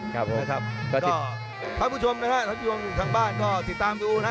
ครับคุณผู้ชมนะครับท่านผู้ชมทางบ้านก็ติดตามดูนะ